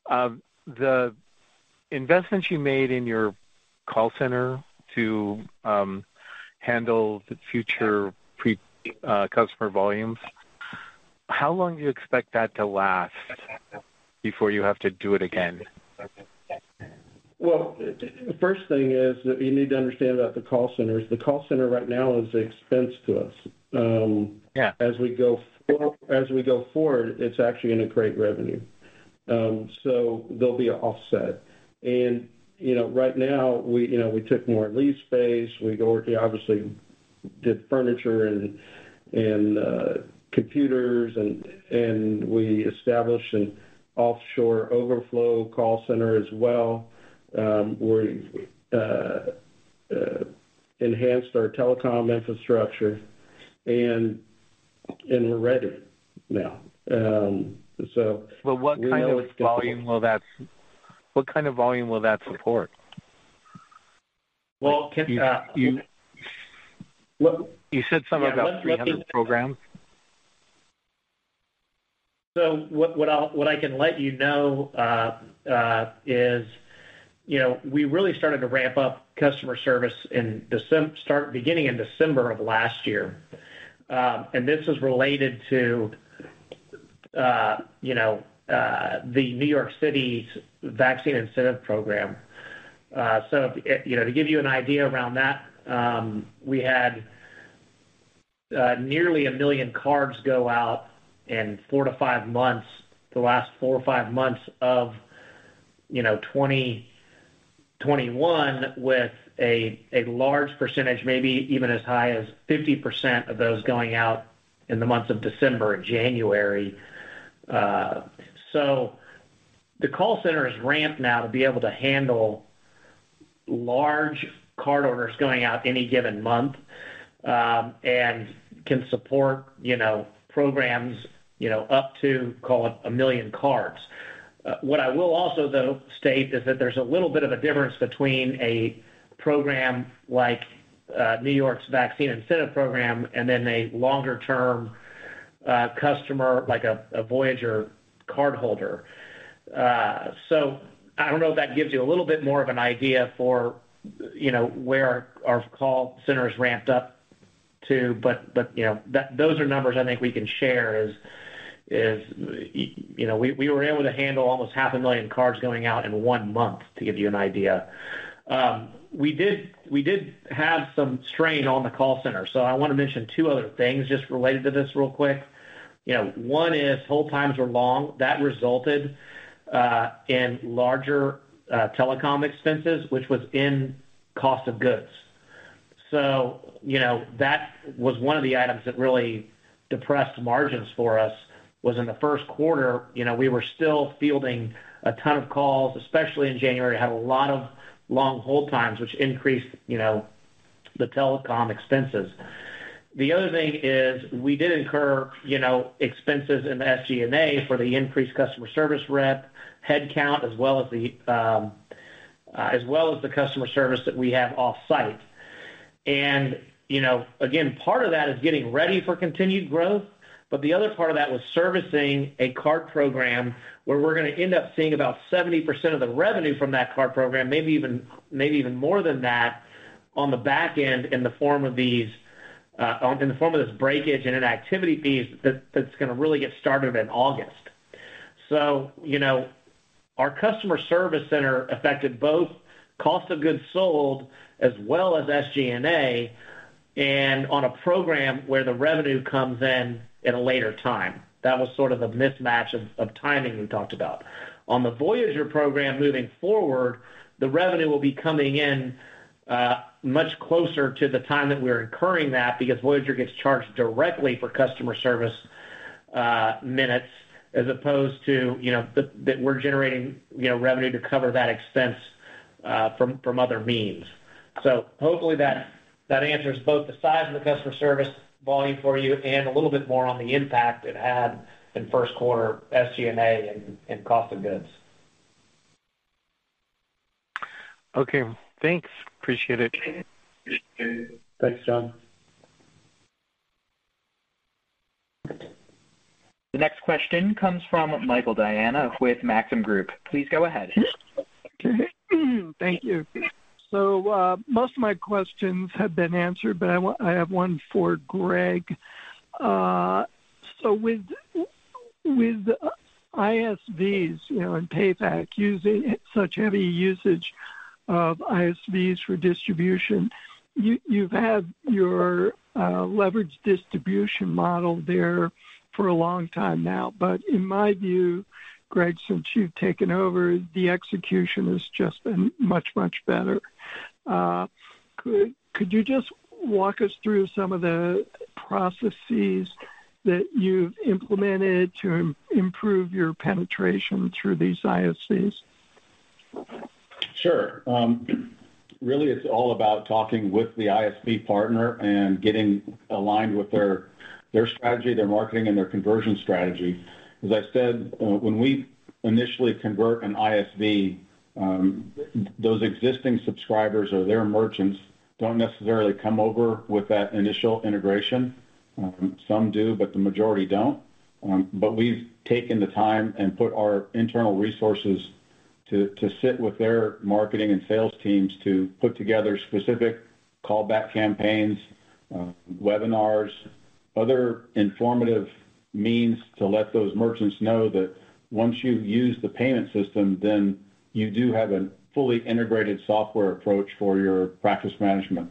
the investments you made in your call center to handle the future customer volumes, how long do you expect that to last before you have to do it again? Well, the first thing is that you need to understand about the call centers. The call center right now is an expense to us. Yeah. As we go forward, it's actually gonna create revenue. There'll be an offset. You know, right now, we, you know, took more leased space. We obviously did furniture and computers and we established an offshore overflow call center as well. We enhanced our telecom infrastructure and we're ready now. What kind of volume will that support? Well, can You said something about 300 programs. What I can let you know is, you know, we really started to ramp up customer service beginning in December of last year. This is related to the New York City's vaccine incentive program. You know, to give you an idea around that, we had nearly 1 million cards go out in 4-5 months, the last 4-5 months of 2021 with a large percentage, maybe even as high as 50% of those going out in the months of December and January. The call center is ramped now to be able to handle large card orders going out any given month, and can support, you know, programs, you know, up to, call it, 1 million cards. What I will also, though, state is that there's a little bit of a difference between a program like New York's vaccine incentive program and then a longer-term customer like a Voyager cardholder. So I don't know if that gives you a little bit more of an idea for, you know, where our call center is ramped up to, but you know, that those are numbers I think we can share, you know, we were able to handle almost half a million cards going out in one month to give you an idea. We did have some strain on the call center, so I want to mention two other things just related to this real quick. You know, one is hold times were long. That resulted in larger telecom expenses, which was in cost of goods. You know, that was one of the items that really depressed margins for us, was in the first quarter. You know, we were still fielding a ton of calls, especially in January, had a lot of long hold times, which increased, you know, the telecom expenses. The other thing is we did incur, you know, expenses in the SG&A for the increased customer service rep headcount, as well as the customer service that we have off-site. You know, again, part of that is getting ready for continued growth, but the other part of that was servicing a card program where we're gonna end up seeing about 70% of the revenue from that card program, maybe even more than that on the back end in the form of these, or in the form of this breakage and inactivity fees that's gonna really get started in August. You know, our customer service center affected both cost of goods sold as well as SG&A and on a program where the revenue comes in at a later time. That was sort of the mismatch of timing we talked about. On the Voyager program moving forward, the revenue will be coming in much closer to the time that we're incurring that because Voyager gets charged directly for customer service minutes as opposed to, you know, that we're generating, you know, revenue to cover that expense from other means. Hopefully that answers both the size of the customer service volume for you and a little bit more on the impact it had in first quarter SG&A and cost of goods. Okay. Thanks. Appreciate it. Thanks, Jon. The next question comes from Michael Diana with Maxim Group. Please go ahead. Okay. Thank you. Most of my questions have been answered, but I have one for Greg. With ISVs, you know, and PayFac using such heavy usage of ISVs for distribution, you've had your leverage distribution model there for a long time now. In my view, Greg, since you've taken over, the execution has just been much, much better. Could you just walk us through some of the processes that you've implemented to improve your penetration through these ISVs? Sure. Really, it's all about talking with the ISV partner and getting aligned with their strategy, their marketing, and their conversion strategy. As I said, when we initially convert an ISV, those existing subscribers or their merchants don't necessarily come over with that initial integration. Some do, but the majority don't. But we've taken the time and put our internal resources to sit with their marketing and sales teams to put together specific callback campaigns, webinars, other informative means to let those merchants know that once you've used the payment system, then you do have a fully integrated software approach for your practice management,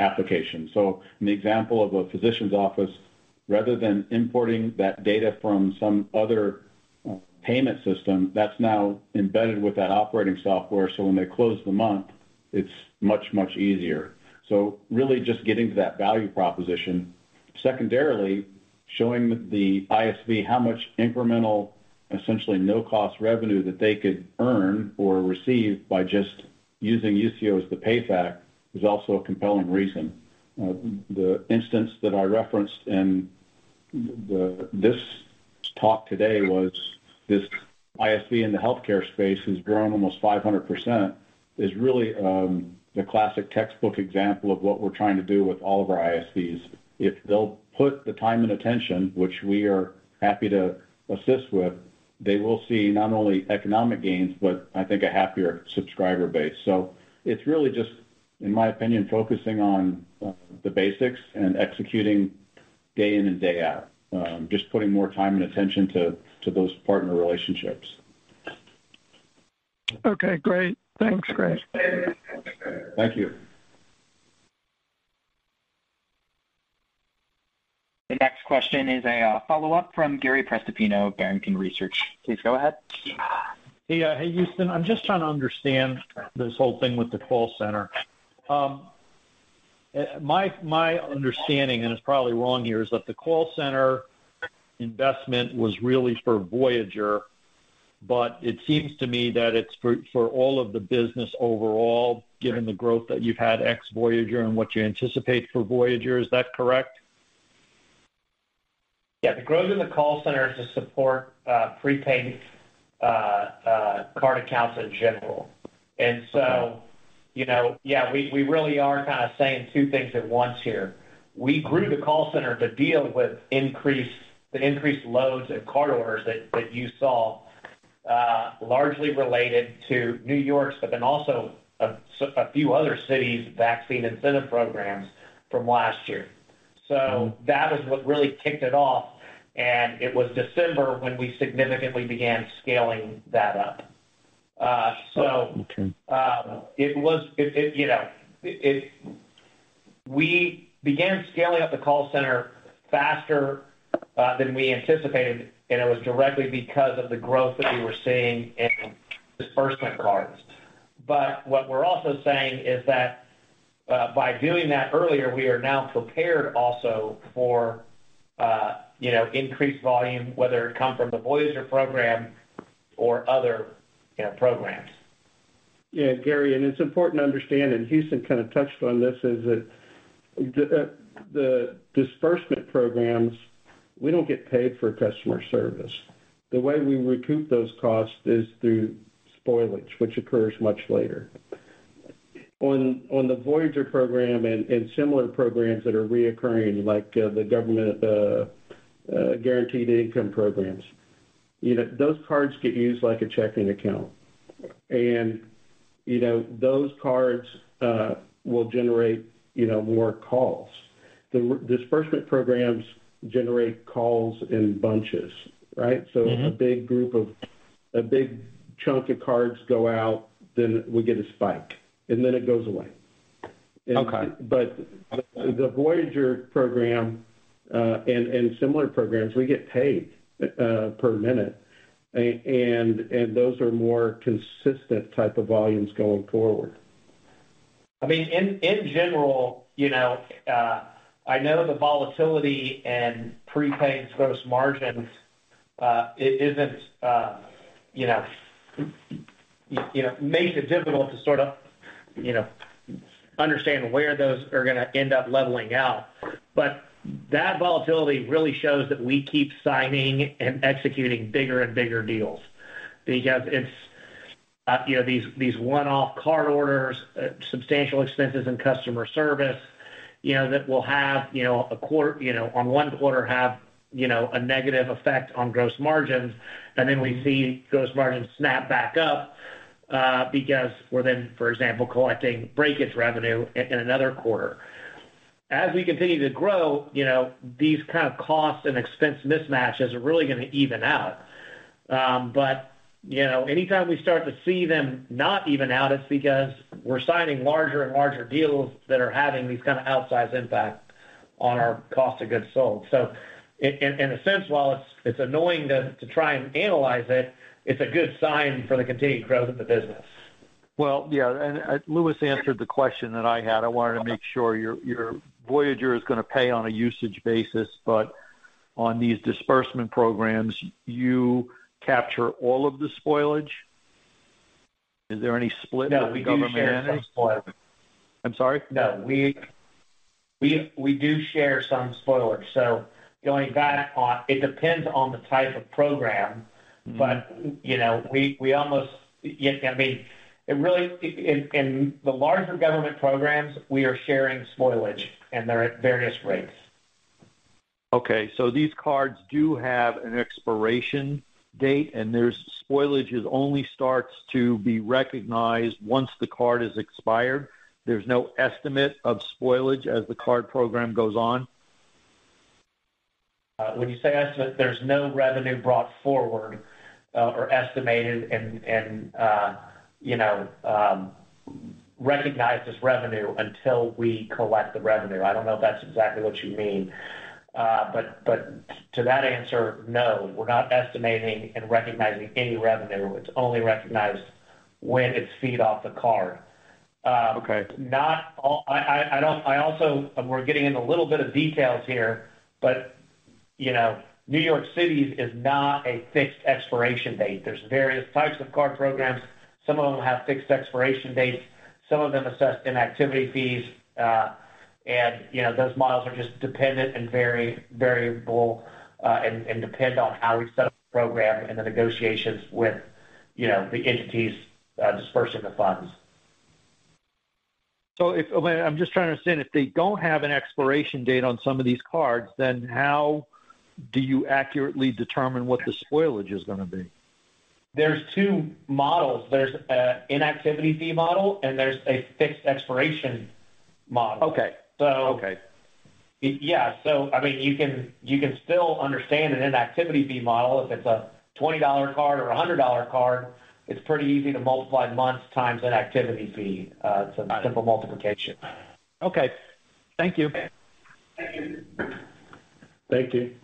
application. An example of a physician's office, rather than importing that data from some other payment system, that's now embedded with that operating software, so when they close the month, it's much, much easier. Really just getting to that value proposition. Secondarily, showing the ISV how much incremental, essentially no-cost revenue that they could earn or receive by just using Usio as the PayFac is also a compelling reason. The instance that I referenced this talk today was this ISV in the healthcare space has grown almost 500% is really the classic textbook example of what we're trying to do with all of our ISVs. If they'll put the time and attention, which we are happy to assist with, they will see not only economic gains, but I think a happier subscriber base. It's really just, in my opinion, focusing on the basics and executing day in and day out. Just putting more time and attention to those partner relationships. Okay, great. Thanks, Greg Carter. Thank you. The next question is a follow-up from Gary Prestopino of Barrington Research. Please go ahead. Hey, hey, Houston. I'm just trying to understand this whole thing with the call center. My understanding, and it's probably wrong here, is that the call center investment was really for Voyager, but it seems to me that it's for all of the business overall, given the growth that you've had ex Voyager and what you anticipate for Voyager. Is that correct? Yeah. The growth in the call center is to support prepaid card accounts in general. And so Okay. You know, yeah, we really are kinda saying two things at once here. We grew the call center to deal with the increased loads of card orders that you saw, largely related to New York's, but then also a few other cities' vaccine incentive programs from last year. That is what really kicked it off, and it was December when we significantly began scaling that up. Okay. We began scaling up the call center faster than we anticipated, and it was directly because of the growth that we were seeing in disbursement cards. What we're also saying is that by doing that earlier, we are now prepared also for you know, increased volume, whether it come from the Voyager program or other you know, programs. Yeah, Gary, it's important to understand, and Houston kind of touched on this, is that the disbursement programs, we don't get paid for customer service. The way we recoup those costs is through spoilage, which occurs much later. On the Voyager program and similar programs that are recurring, like the government guaranteed income programs, you know, those cards get used like a checking account. You know, those cards will generate more calls. The disbursement programs generate calls in bunches, right? Mm-hmm. A big chunk of cards go out, then we get a spike, and then it goes away. Okay. The Voyager program and similar programs, we get paid per minute. Those are more consistent type of volumes going forward. I mean, in general, you know, I know the volatility in prepaid gross margins isn't you know makes it difficult to sort of, you know, understand where those are gonna end up leveling out. That volatility really shows that we keep signing and executing bigger and bigger deals because it's you know these one-off card orders substantial expenses in customer service, you know, that will have, you know, a you know on one quarter have, you know, a negative effect on gross margins. Mm-hmm. We see gross margins snap back up, because we're then, for example, collecting breakage revenue in another quarter. As we continue to grow, you know, these kind of cost and expense mismatches are really gonna even out. You know, anytime we start to see them not even out, it's because we're signing larger and larger deals that are having these kind of outsized impact on our cost of goods sold. In a sense, while it's annoying to try and analyze it's a good sign for the continued growth of the business. Well, yeah, Louis answered the question that I had. I wanted to make sure your Voyager is gonna pay on a usage basis, but on these disbursement programs, you capture all of the spoilage? Is there any split with the government? No, we do share some spoilage. I'm sorry? No. We do share some spoilage. It depends on the type of program. Mm-hmm. You know, I mean, in the larger government programs, we are sharing spoilage, and they're at various rates. Okay. These cards do have an expiration date, and spoilage only starts to be recognized once the card is expired. There's no estimate of spoilage as the card program goes on? When you say estimate, there's no revenue brought forward or estimated and, you know, recognized as revenue until we collect the revenue. I don't know if that's exactly what you mean. To that answer, no, we're not estimating and recognizing any revenue. It's only recognized when it's fed off the card. Okay. We're getting into a little bit of details here, but, you know, New York City's is not a fixed expiration date. There's various types of card programs. Some of them have fixed expiration dates. Some of them assess inactivity fees. You know, those models are just dependent and very variable, and depend on how we set up the program and the negotiations with, you know, the entities dispersing the funds. I'm just trying to understand. If they don't have an expiration date on some of these cards, then how do you accurately determine what the spoilage is gonna be? There's two models. There's an inactivity fee model, and there's a fixed expiration model. Okay. So. Okay. Yeah, I mean, you can still understand an inactivity fee model. If it's a $20 card or a $100 card, it's pretty easy to multiply months times an inactivity fee. It's a simple multiplication. Okay. Thank you. Thank you.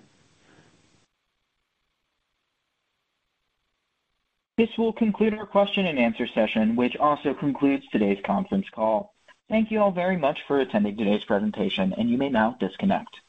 This will conclude our question and answer session, which also concludes today's conference call. Thank you all very much for attending today's presentation, and you may now disconnect.